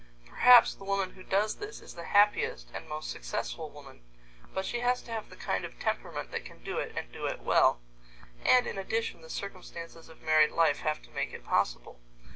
Perhaps the woman who does this is the happiest and most successful woman, but she has to have the kind of temperament that can do it and do it well, and in addition the circumstances of married life have to make it possible.